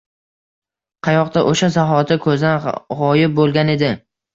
Qayoqda! O‘sha zahoti ko‘zdan g‘oyib bo‘lgan edi.